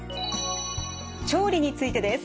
調理についてです。